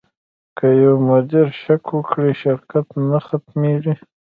که یو مدیر شک وکړي، شرکت نه ختمېږي.